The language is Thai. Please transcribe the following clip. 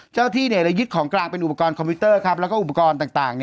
เจ้าหน้าที่ได้ยึดของกลางเป็นอุปกรณ์คอมพิวเตอร์แล้วก็อุปกรณ์ต่าง